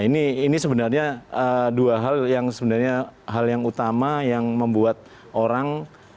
nah ini sebenarnya dua hal yang sebenarnya hal yang utama yang membuat orang